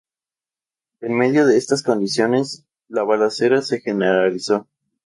En medio de estas condiciones, la balacera se generalizó.